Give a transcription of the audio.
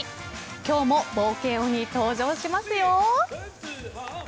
今日も冒険王に登場しますよ。